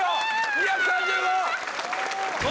２３５！